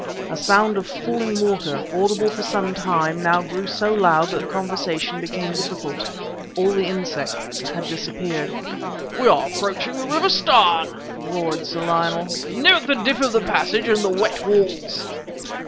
A sound of falling water, audible for some time, now grew so loud that conversation became difficult. All the insects had disappeared. "We are approaching the River Starn!" roared Sir Lionel. "Note the dip of the passage and the wet walls!"